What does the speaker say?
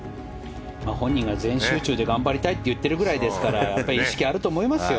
本人が全集中で頑張りたいと言っているぐらいですから意識はあると思いますよ。